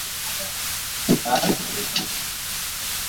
অনেকদিন পরে রৌদ্র ওঠাতে অপুর ভরি আহ্রদ হইয়াছে।